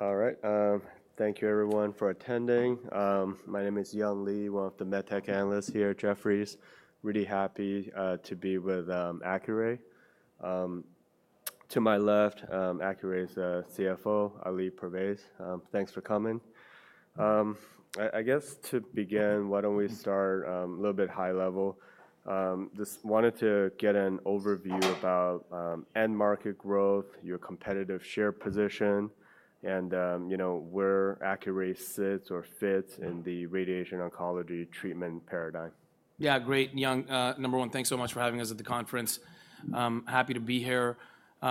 All right. Thank you, everyone, for attending. My name is Young Li, one of the medtech analysts here at Jefferies. Really happy to be with Accuray. To my left, Accuray's CFO, Ali Pervaiz. Thanks for coming. I guess to begin, why don't we start a little bit high level? Just wanted to get an overview about end market growth, your competitive share position, and where Accuray sits or fits in the radiation oncology treatment paradigm. Yeah, great. Young, number one, thanks so much for having us at the conference. Happy to be here.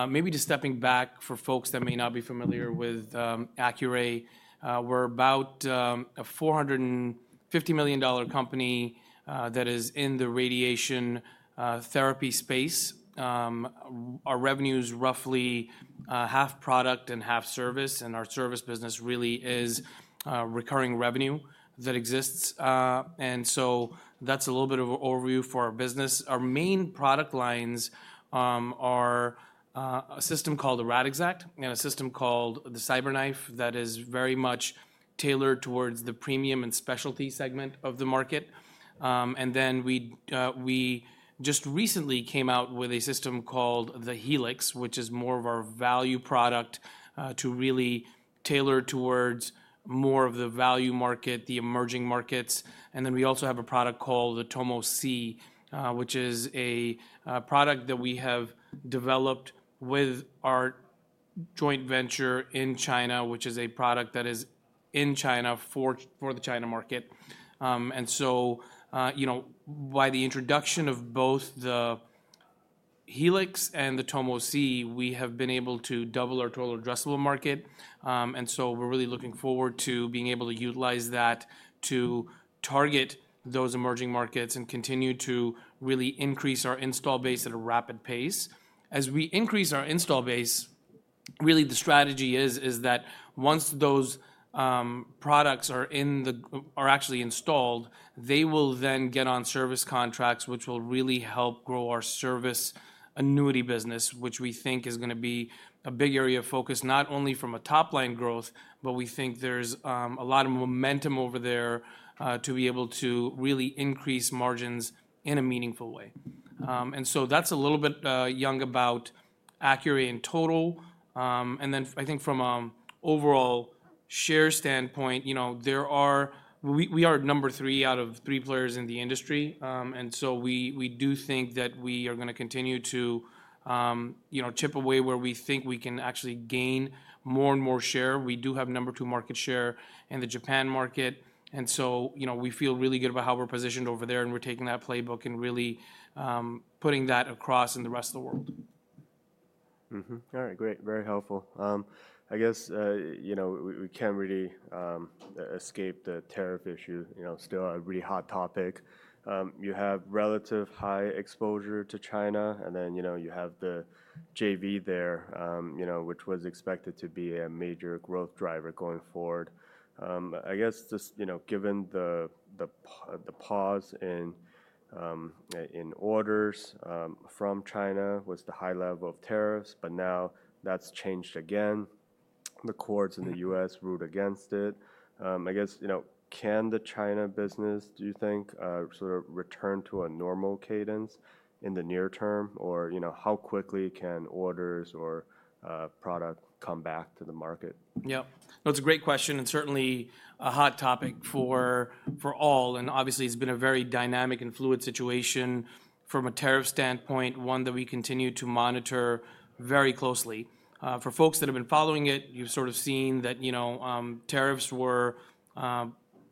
Maybe just stepping back for folks that may not be familiar with Accuray. We're about a $450 million company that is in the radiation therapy space. Our revenue is roughly half product and half service. Our service business really is recurring revenue that exists. That's a little bit of an overview for our business. Our main product lines are a system called the Radixact and a system called the CyberKnife that is very much tailored towards the premium and specialty segment of the market. We just recently came out with a system called the Helix, which is more of our value product to really tailor towards more of the value market, the emerging markets. We also have a product called the Tomo C, which is a product that we have developed with our joint venture in China, which is a product that is in China for the China market. By the introduction of both the Helix and the Tomo C, we have been able to double our total addressable market. We are really looking forward to being able to utilize that to target those emerging markets and continue to really increase our install base at a rapid pace. As we increase our install base, really the strategy is that once those products are actually installed, they will then get on service contracts, which will really help grow our service annuity business, which we think is going to be a big area of focus, not only from a top-line growth, but we think there's a lot of momentum over there to be able to really increase margins in a meaningful way. That is a little bit, Young, about Accuray in total. I think from an overall share standpoint, we are number three out of three players in the industry. We do think that we are going to continue to chip away where we think we can actually gain more and more share. We do have number two market share in the Japan market. We feel really good about how we're positioned over there, and we're taking that playbook and really putting that across in the rest of the world. All right. Great. Very helpful. I guess we can't really escape the tariff issue. Still a really hot topic. You have relative high exposure to China, and then you have the JV there, which was expected to be a major growth driver going forward. I guess just given the pause in orders from China was the high level of tariffs, but now that's changed again. The courts in the U.S. ruled against it. I guess can the China business, do you think, sort of return to a normal cadence in the near term? Or how quickly can orders or product come back to the market? Yep. That's a great question and certainly a hot topic for all. Obviously, it's been a very dynamic and fluid situation from a tariff standpoint, one that we continue to monitor very closely. For folks that have been following it, you've sort of seen that tariffs were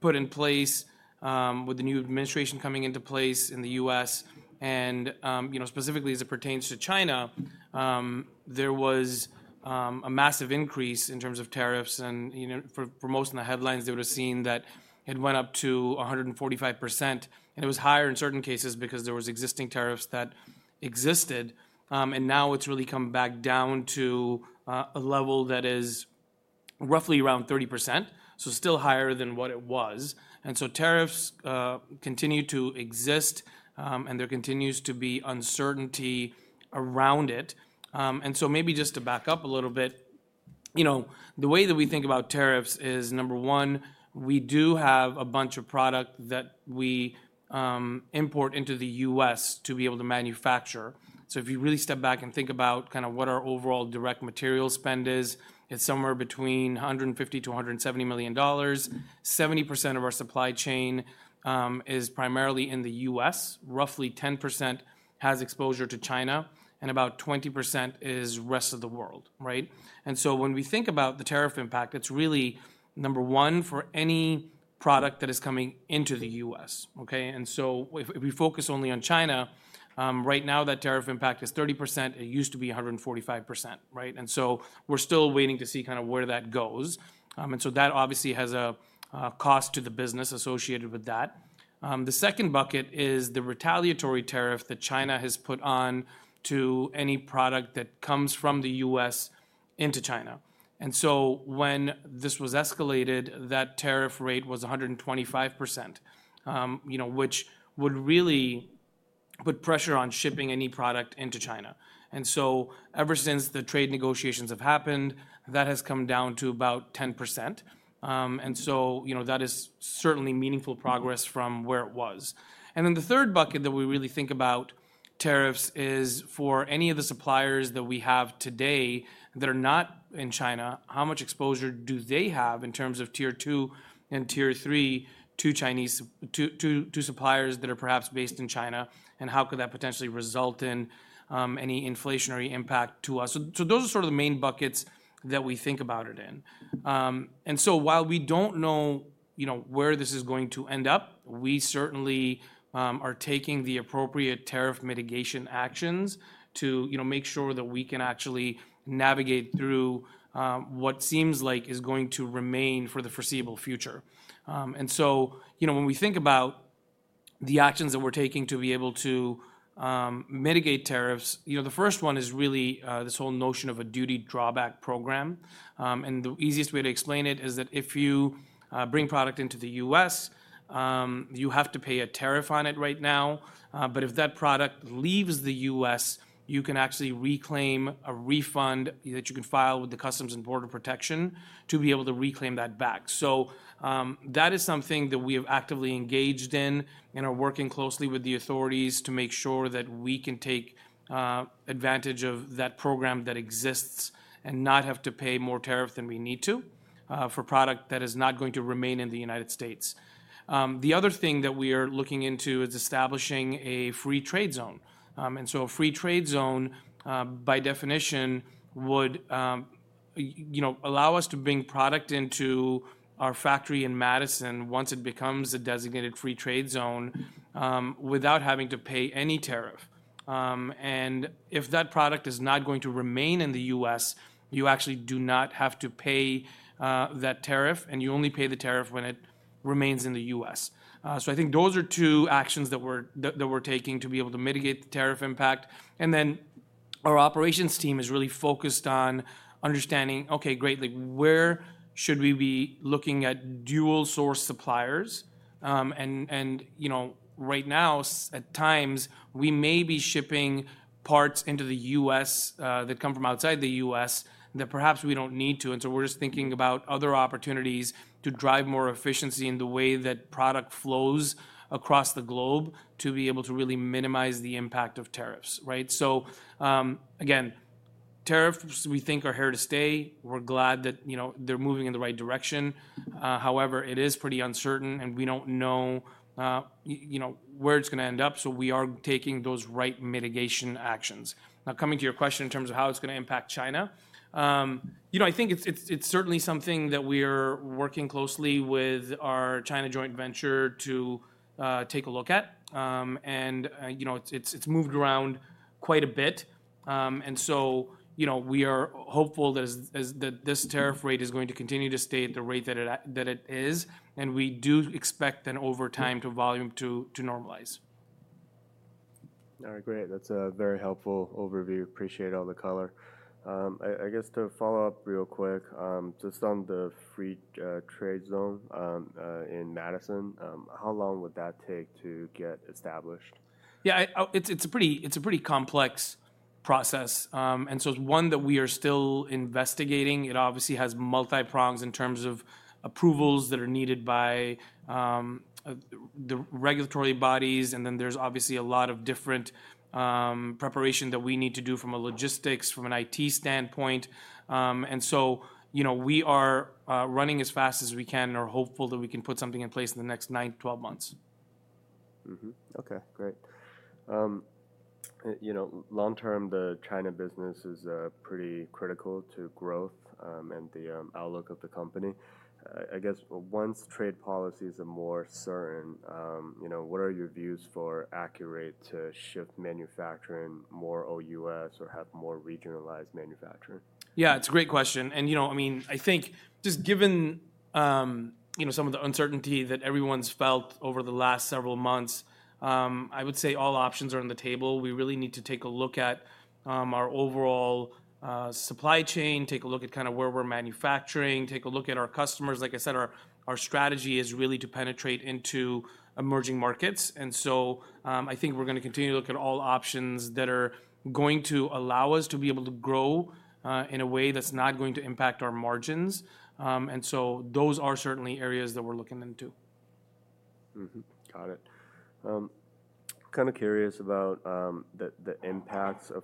put in place with the new administration coming into place in the U.S.. Specifically, as it pertains to China, there was a massive increase in terms of tariffs. For most in the headlines, they would have seen that it went up to 145%. It was higher in certain cases because there were existing tariffs that existed. Now it's really come back down to a level that is roughly around 30%, so still higher than what it was. Tariffs continue to exist, and there continues to be uncertainty around it. Maybe just to back up a little bit, the way that we think about tariffs is, number one, we do have a bunch of product that we import into the U.S. to be able to manufacture. If you really step back and think about kind of what our overall direct material spend is, it's somewhere between $150-$170 million. 70% of our supply chain is primarily in the U.S.. Roughly 10% has exposure to China, and about 20% is the rest of the world. When we think about the tariff impact, it's really, number one, for any product that is coming into the U.S.. If we focus only on China, right now that tariff impact is 30%. It used to be 145%. We are still waiting to see kind of where that goes. That obviously has a cost to the business associated with that. The second bucket is the retaliatory tariff that China has put on to any product that comes from the U.S. into China. When this was escalated, that tariff rate was 125%, which would really put pressure on shipping any product into China. Ever since the trade negotiations have happened, that has come down to about 10%. That is certainly meaningful progress from where it was. The third bucket that we really think about tariffs is for any of the suppliers that we have today that are not in China, how much exposure do they have in terms of tier two and tier three to suppliers that are perhaps based in China? How could that potentially result in any inflationary impact to us? Those are sort of the main buckets that we think about it in. While we do not know where this is going to end up, we certainly are taking the appropriate tariff mitigation actions to make sure that we can actually navigate through what seems like is going to remain for the foreseeable future. When we think about the actions that we are taking to be able to mitigate tariffs, the first one is really this whole notion of a duty drawback program. The easiest way to explain it is that if you bring product into the U.S., you have to pay a tariff on it right now. If that product leaves the U.S., you can actually reclaim a refund that you can file with the Customs and Border Protection to be able to reclaim that back. That is something that we have actively engaged in and are working closely with the authorities to make sure that we can take advantage of that program that exists and not have to pay more tariff than we need to for product that is not going to remain in the U.S.. The other thing that we are looking into is establishing a free trade zone. A free trade zone, by definition, would allow us to bring product into our factory in Madison once it becomes a designated free trade zone without having to pay any tariff. If that product is not going to remain in the U.S., you actually do not have to pay that tariff, and you only pay the tariff when it remains in the U.S.. I think those are two actions that we're taking to be able to mitigate the tariff impact. Our operations team is really focused on understanding, okay, great, where should we be looking at dual-source suppliers? Right now, at times, we may be shipping parts into the U.S. that come from outside the U.S. that perhaps we don't need to. We are just thinking about other opportunities to drive more efficiency in the way that product flows across the globe to be able to really minimize the impact of tariffs. Tariffs, we think, are here to stay. We're glad that they're moving in the right direction. However, it is pretty uncertain, and we don't know where it's going to end up. We are taking those right mitigation actions. Now, coming to your question in terms of how it's going to impact China, I think it's certainly something that we are working closely with our China joint venture to take a look at. It has moved around quite a bit. We are hopeful that this tariff rate is going to continue to stay at the rate that it is. We do expect then over time for volume to normalize. All right. Great. That's a very helpful overview. Appreciate all the color. I guess to follow up real quick, just on the free trade zone in Madison, how long would that take to get established? Yeah, it's a pretty complex process. It's one that we are still investigating. It obviously has multi-prongs in terms of approvals that are needed by the regulatory bodies. There is obviously a lot of different preparation that we need to do from a logistics, from an IT standpoint. We are running as fast as we can and are hopeful that we can put something in place in the next 9-12 months. Okay. Great. Long term, the China business is pretty critical to growth and the outlook of the company. I guess once trade policies are more certain, what are your views for Accuray to shift manufacturing more OU.S. or have more regionalized manufacturing? Yeah, it's a great question. I mean, I think just given some of the uncertainty that everyone's felt over the last several months, I would say all options are on the table. We really need to take a look at our overall supply chain, take a look at kind of where we're manufacturing, take a look at our customers. Like I said, our strategy is really to penetrate into emerging markets. I think we're going to continue to look at all options that are going to allow us to be able to grow in a way that's not going to impact our margins. Those are certainly areas that we're looking into. Got it. Kind of curious about the impacts of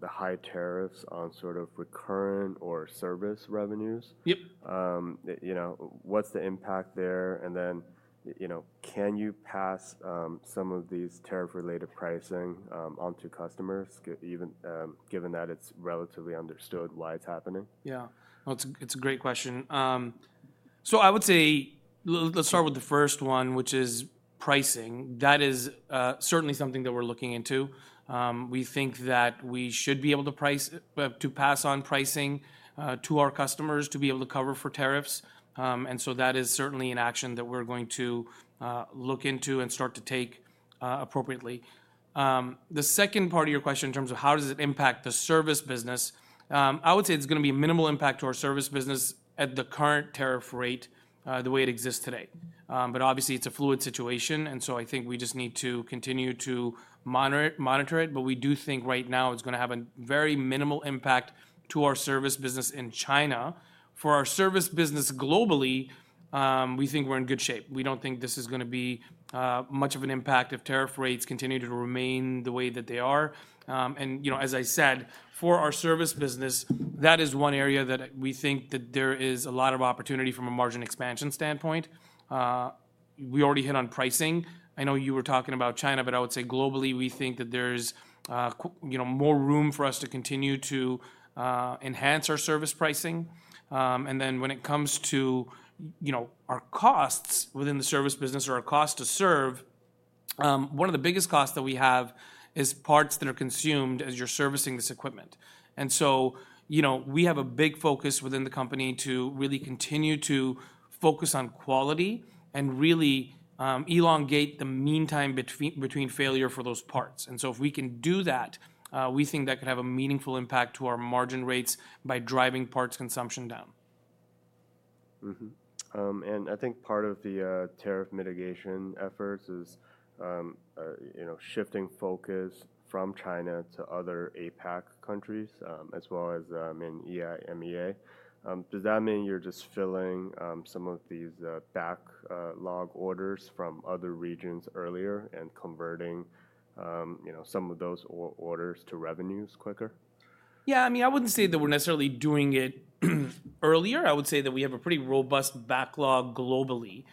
the high tariffs on sort of recurrent or service revenues. What's the impact there? Can you pass some of these tariff-related pricing onto customers, given that it's relatively understood why it's happening? Yeah. It's a great question. I would say let's start with the first one, which is pricing. That is certainly something that we're looking into. We think that we should be able to pass on pricing to our customers to be able to cover for tariffs. That is certainly an action that we're going to look into and start to take appropriately. The second part of your question in terms of how does it impact the service business, I would say it's going to be a minimal impact to our service business at the current tariff rate the way it exists today. Obviously, it's a fluid situation. I think we just need to continue to monitor it. We do think right now it's going to have a very minimal impact to our service business in China. For our service business globally, we think we're in good shape. We don't think this is going to be much of an impact if tariff rates continue to remain the way that they are. As I said, for our service business, that is one area that we think that there is a lot of opportunity from a margin expansion standpoint. We already hit on pricing. I know you were talking about China, but I would say globally, we think that there's more room for us to continue to enhance our service pricing. When it comes to our costs within the service business or our cost to serve, one of the biggest costs that we have is parts that are consumed as you're servicing this equipment. We have a big focus within the company to really continue to focus on quality and really elongate the meantime between failure for those parts. If we can do that, we think that could have a meaningful impact to our margin rates by driving parts consumption down. I think part of the tariff mitigation efforts is shifting focus from China to other APAC countries, as well as in EIMEA. Does that mean you're just filling some of these backlog orders from other regions earlier and converting some of those orders to revenues quicker? Yeah. I mean, I wouldn't say that we're necessarily doing it earlier. I would say that we have a pretty robust backlog globally.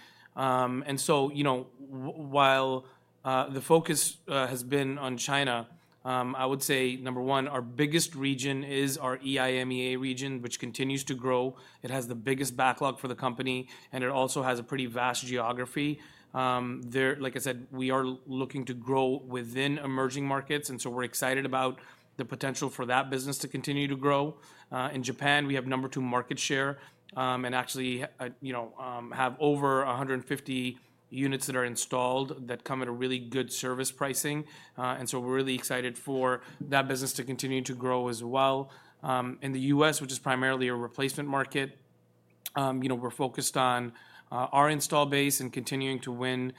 While the focus has been on China, I would say, number one, our biggest region is our EIMEA region, which continues to grow. It has the biggest backlog for the company. It also has a pretty vast geography. Like I said, we are looking to grow within emerging markets. We're excited about the potential for that business to continue to grow. In Japan, we have number two market share and actually have over 150 units that are installed that come at a really good service pricing. We're really excited for that business to continue to grow as well. In the U.S., which is primarily a replacement market, we're focused on our install base and continuing to win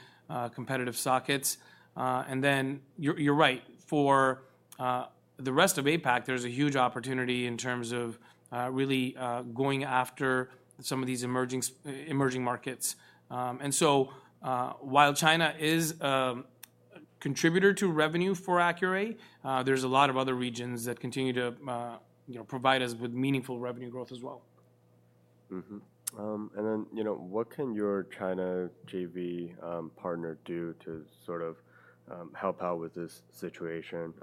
competitive sockets. You're right. For the rest of APAC, there's a huge opportunity in terms of really going after some of these emerging markets. While China is a contributor to revenue for Accuray, there's a lot of other regions that continue to provide us with meaningful revenue growth as well. What can your China JV partner do to sort of help out with this situation?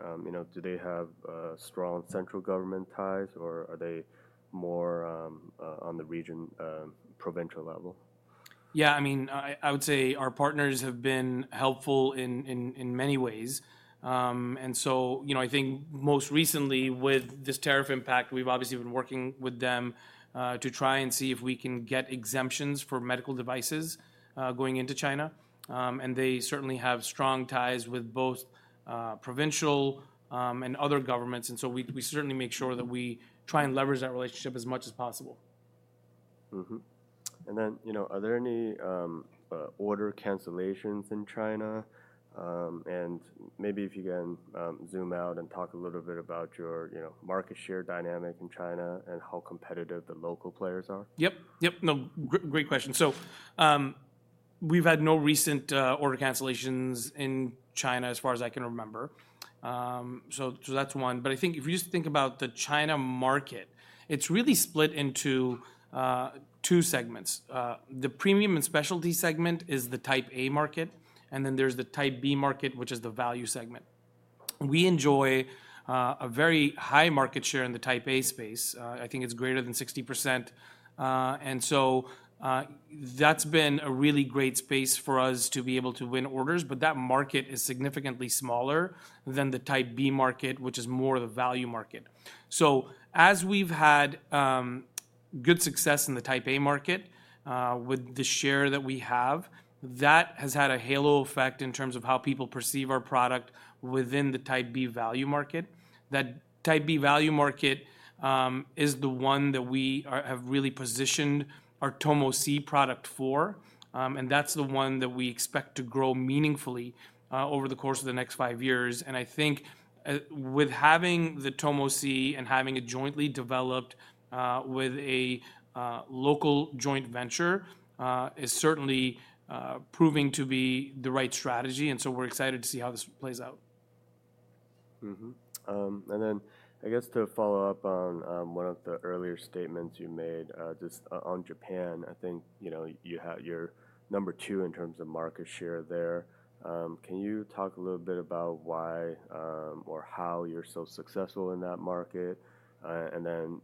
Do they have strong central government ties, or are they more on the region provincial level? Yeah. I mean, I would say our partners have been helpful in many ways. I think most recently with this tariff impact, we've obviously been working with them to try and see if we can get exemptions for medical devices going into China. They certainly have strong ties with both provincial and other governments. We certainly make sure that we try and leverage that relationship as much as possible. Are there any order cancellations in China? Maybe if you can zoom out and talk a little bit about your market share dynamic in China and how competitive the local players are. Yep. Yep. Great question. We've had no recent order cancellations in China as far as I can remember. That's one. If you just think about the China market, it's really split into two segments. The premium and specialty segment is the type A market. Then there's the type B market, which is the value segment. We enjoy a very high market share in the type A space. I think it's greater than 60%. That's been a really great space for us to be able to win orders. That market is significantly smaller than the type B market, which is more of a value market. As we've had good success in the type A market with the share that we have, that has had a halo effect in terms of how people perceive our product within the type B value market. That type B value market is the one that we have really positioned our Tomo C product for. That is the one that we expect to grow meaningfully over the course of the next five years. I think with having the Tomo C and having it jointly developed with a local joint venture is certainly proving to be the right strategy. We are excited to see how this plays out. I guess to follow up on one of the earlier statements you made just on Japan, I think you're number two in terms of market share there. Can you talk a little bit about why or how you're so successful in that market? And then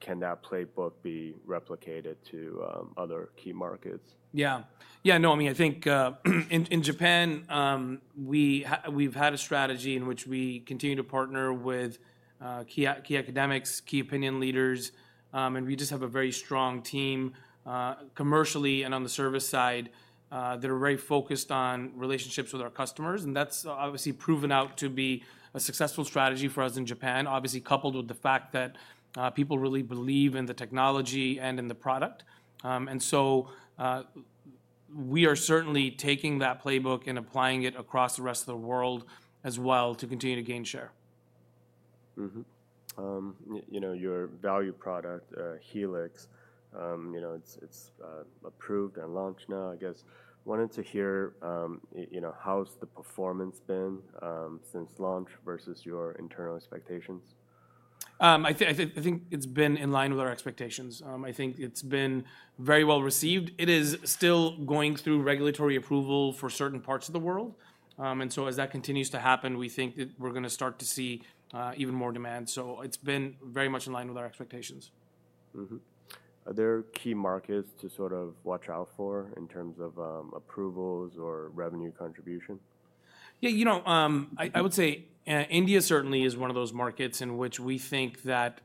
can that playbook be replicated to other key markets? Yeah. Yeah. No, I mean, I think in Japan, we've had a strategy in which we continue to partner with key academics, key opinion leaders. We just have a very strong team commercially and on the service side that are very focused on relationships with our customers. That's obviously proven out to be a successful strategy for us in Japan, obviously coupled with the fact that people really believe in the technology and in the product. We are certainly taking that playbook and applying it across the rest of the world as well to continue to gain share. Your value product, Helix, it's approved and launched now, I guess. Wanted to hear how's the performance been since launch versus your internal expectations? I think it's been in line with our expectations. I think it's been very well received. It is still going through regulatory approval for certain parts of the world. As that continues to happen, we think that we're going to start to see even more demand. It's been very much in line with our expectations. Are there key markets to sort of watch out for in terms of approvals or revenue contribution? Yeah. I would say India certainly is one of those markets in which we think that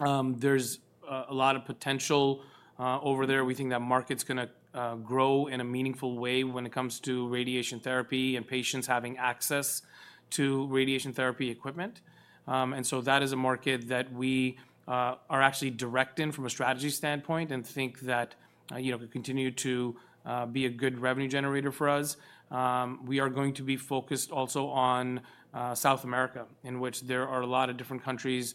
there's a lot of potential over there. We think that market's going to grow in a meaningful way when it comes to radiation therapy and patients having access to radiation therapy equipment. That is a market that we are actually directing from a strategy standpoint and think that could continue to be a good revenue generator for us. We are going to be focused also on South America, in which there are a lot of different countries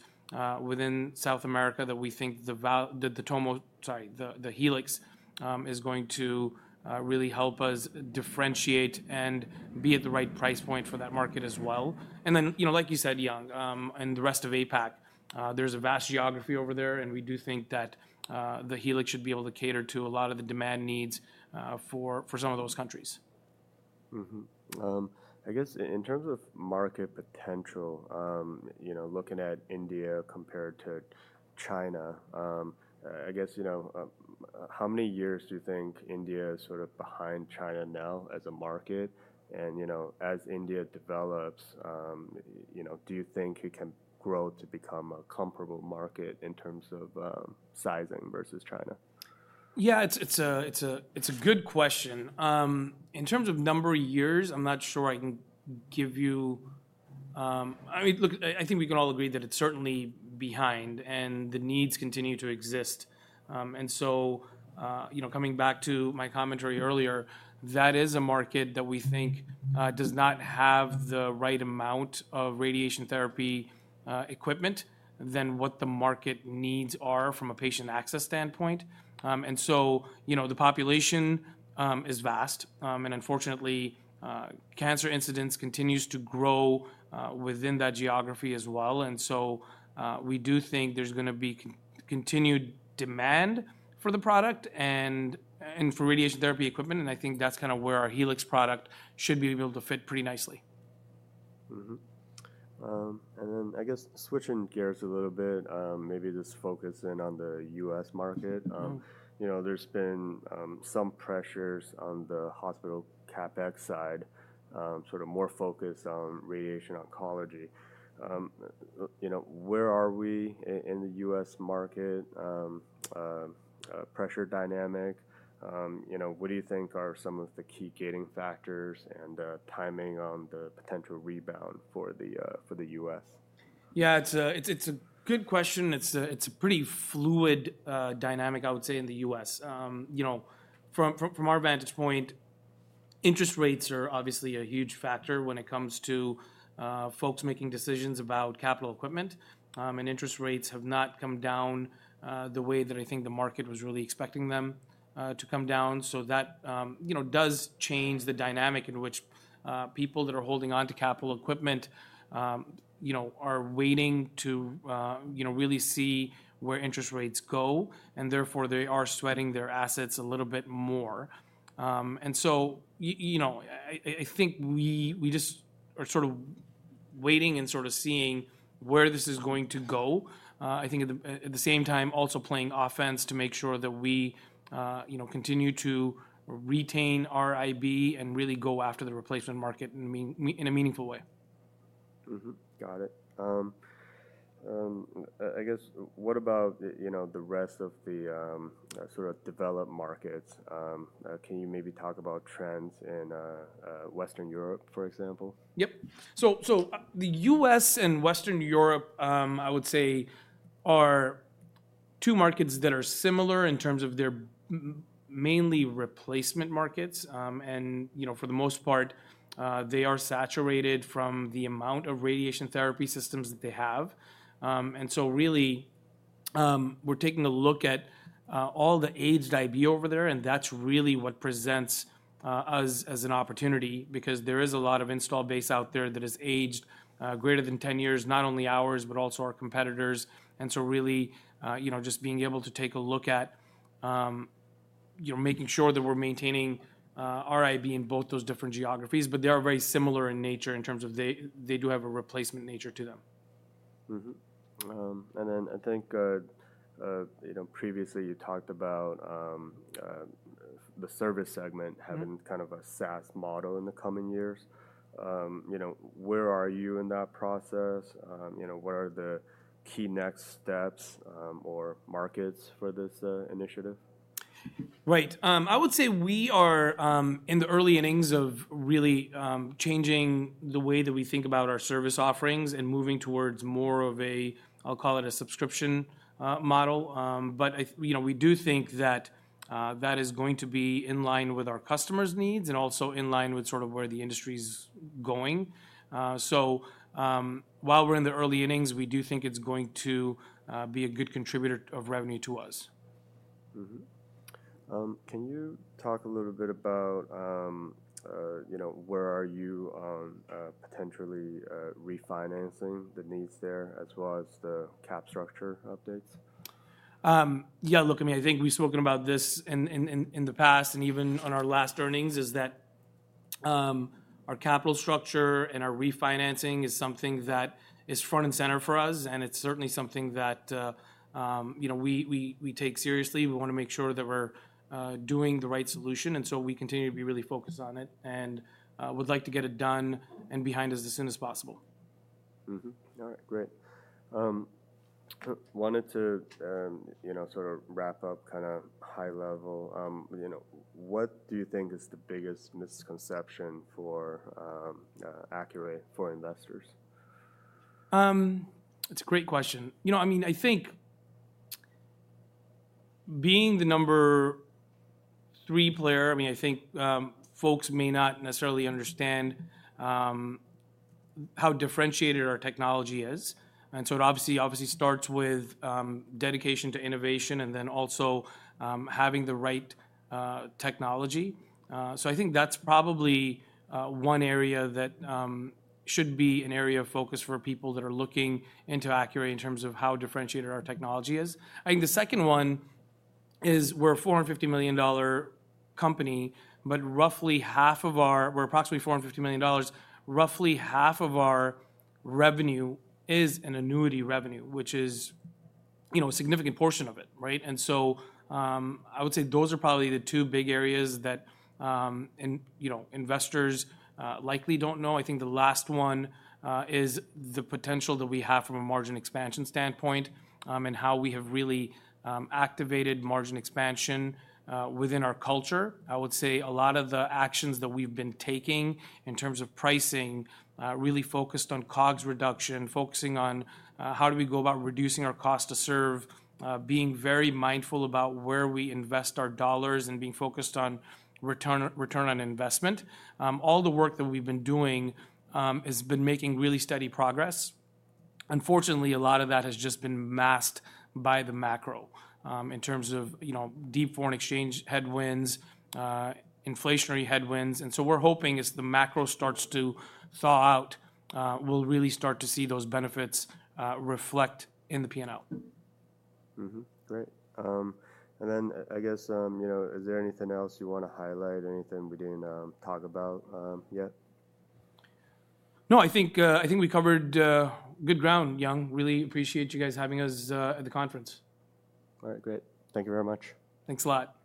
within South America that we think the Tomo, sorry, the Helix is going to really help us differentiate and be at the right price point for that market as well. Like you said, Young, and the rest of APAC, there's a vast geography over there. We do think that the Helix should be able to cater to a lot of the demand needs for some of those countries. I guess in terms of market potential, looking at India compared to China, I guess how many years do you think India is sort of behind China now as a market? As India develops, do you think it can grow to become a comparable market in terms of sizing versus China? Yeah. It's a good question. In terms of number of years, I'm not sure I can give you, I mean, look, I think we can all agree that it's certainly behind. The needs continue to exist. Coming back to my commentary earlier, that is a market that we think does not have the right amount of radiation therapy equipment than what the market needs are from a patient access standpoint. The population is vast. Unfortunately, cancer incidence continues to grow within that geography as well. We do think there's going to be continued demand for the product and for radiation therapy equipment. I think that's kind of where our Helix product should be able to fit pretty nicely. I guess switching gears a little bit, maybe just focusing on the U.S. market. There's been some pressures on the hospital CapEx side, sort of more focus on radiation oncology. Where are we in the U.S. market? Pressure dynamic. What do you think are some of the key gating factors and timing on the potential rebound for the U.S.? Yeah. It's a good question. It's a pretty fluid dynamic, I would say, in the U.S.. From our vantage point, interest rates are obviously a huge factor when it comes to folks making decisions about capital equipment. Interest rates have not come down the way that I think the market was really expecting them to come down. That does change the dynamic in which people that are holding on to capital equipment are waiting to really see where interest rates go. Therefore, they are sweating their assets a little bit more. I think we just are sort of waiting and sort of seeing where this is going to go. I think at the same time, also playing offense to make sure that we continue to retain our IB and really go after the replacement market in a meaningful way. Got it. I guess what about the rest of the sort of developed markets? Can you maybe talk about trends in Western Europe, for example? Yep. The U.S. and Western Europe, I would say, are two markets that are similar in terms of they're mainly replacement markets. For the most part, they are saturated from the amount of radiation therapy systems that they have. Really, we're taking a look at all the aged IB over there. That's really what presents us as an opportunity because there is a lot of install base out there that is aged greater than 10 years, not only ours, but also our competitors. Really just being able to take a look at making sure that we're maintaining our IB in both those different geographies. They are very similar in nature in terms of they do have a replacement nature to them. I think previously you talked about the service segment having kind of a SaaS model in the coming years. Where are you in that process? What are the key next steps or markets for this initiative? Right. I would say we are in the early innings of really changing the way that we think about our service offerings and moving towards more of a, I'll call it a subscription model. We do think that that is going to be in line with our customers' needs and also in line with sort of where the industry's going. While we're in the early innings, we do think it's going to be a good contributor of revenue to us. Can you talk a little bit about where are you potentially refinancing the needs there as well as the CapEx structure updates? Yeah. Look, I mean, I think we've spoken about this in the past and even on our last earnings is that our capital structure and our refinancing is something that is front and center for us. It's certainly something that we take seriously. We want to make sure that we're doing the right solution. We continue to be really focused on it and would like to get it done and behind us as soon as possible. All right. Great. Wanted to sort of wrap up kind of high level. What do you think is the biggest misconception for Accuray for investors? It's a great question. I mean, I think being the number three player, I mean, I think folks may not necessarily understand how differentiated our technology is. It obviously starts with dedication to innovation and then also having the right technology. I think that's probably one area that should be an area of focus for people that are looking into Accuray in terms of how differentiated our technology is. I think the second one is we're a $450 million company, but roughly half of our revenue is annuity revenue, which is a significant portion of it, right? I would say those are probably the two big areas that investors likely don't know. I think the last one is the potential that we have from a margin expansion standpoint and how we have really activated margin expansion within our culture. I would say a lot of the actions that we've been taking in terms of pricing really focused on COGS reduction, focusing on how do we go about reducing our cost to serve, being very mindful about where we invest our dollars, and being focused on return on investment. All the work that we've been doing has been making really steady progress. Unfortunately, a lot of that has just been masked by the macro in terms of deep foreign exchange headwinds, inflationary headwinds. We are hoping as the macro starts to thaw out, we'll really start to see those benefits reflect in the P&L. Great. I guess is there anything else you want to highlight or anything we didn't talk about yet? No. I think we covered good ground, Young. Really appreciate you guys having us at the conference. All right. Great. Thank you very much. Thanks a lot.